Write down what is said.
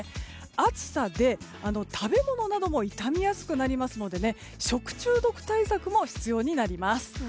暑さで食べ物なども傷みやすくなりますので食中毒対策も必要になります。